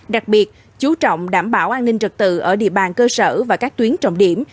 đặc biệt chú trọng đảm bảo an ninh trật tự ở địa bàn cơ sở và các tuyến trọng điểm